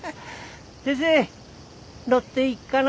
先生乗っていっかな？